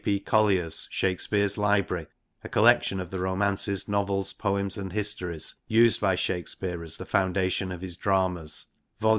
P. Collier's ' Shake speare's Library : a collection of the Romances, Novels, Poems and Histories, used by Shakespeare as the founda tion of his dramas,' vol.